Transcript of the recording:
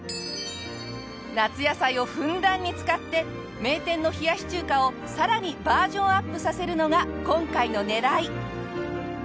夏野菜をふんだんに使って名店の冷やし中華をさらにバージョンアップさせるのが今回の狙い。